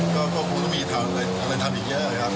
ก็คงต้องมีทำอะไรทำอีกเยอะครับ